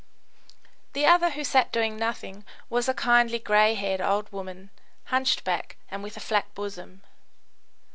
The other, who sat doing nothing, was a kindly, grey haired old woman, hunchbacked and with a flat bosom.